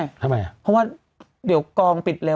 เพราะว่าเดียวกองปิดเร็ว